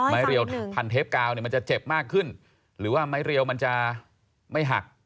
เรียวพันเทปกาวเนี่ยมันจะเจ็บมากขึ้นหรือว่าไม้เรียวมันจะไม่หัก